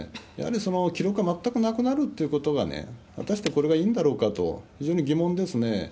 やはり記録は全くなくなるということが果たしてこれがいいんだろうかと、非常に疑問ですね。